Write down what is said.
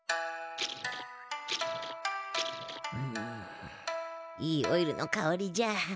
うんいいオイルのかおりじゃ。